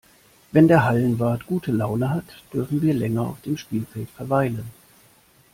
Wenn der Hallenwart gute Laune hat, dürfen wir länger auf dem Spielfeld verweilen.